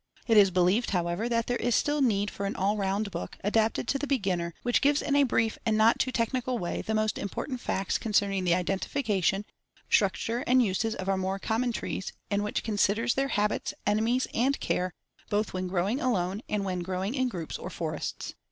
It is believed, however, that there is still need for an all round book, adapted to the beginner, which gives in a brief and not too technical way the most important facts concerning the identification, structure and uses of our more common trees, and which considers their habits, enemies and care both when growing alone and when growing in groups or forests.